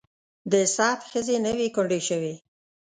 د سعد ښځې نه وې کونډې شوې.